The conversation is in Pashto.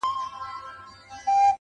ښکارېدی چي له وطنه لیري تللی-